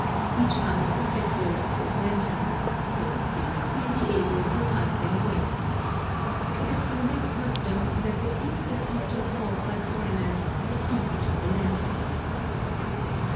Each house is decorated with lanterns, that the spirits may be able to find their way. It is from this custom that the feast is often called by foreigners the Feast of Lanterns.